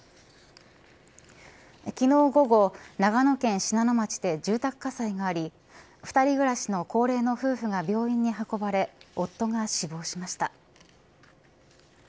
昨日、午後長野県信濃町で住宅火災があり２人暮らしの高齢の夫婦が病院に運ばれ夫が死亡しました。